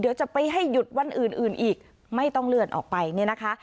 เดี๋ยวจะไปให้หยุดวันอื่นอื่นอีกไม่ต้องเลื่อนออกไปเนี่ยนะคะ